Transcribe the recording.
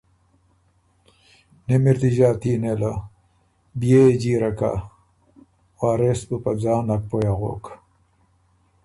نِم اِر دی ݫاتي نېله، بيې يې جیره کۀ“ وارث بُو په ځان نک پویٛ اغوک،